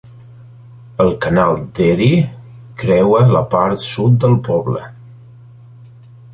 El canal d'Erie creua la part sud del poble.